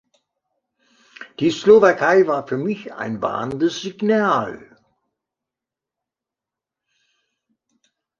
Die Slowakei war für mich ein warnendes Signal.